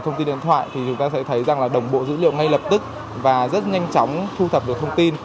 thông tin điện thoại thì chúng ta sẽ thấy rằng là đồng bộ dữ liệu ngay lập tức và rất nhanh chóng thu thập được thông tin